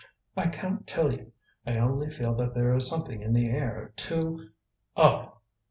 "I can't tell you. I only feel that there is something in the air to " "Oh!"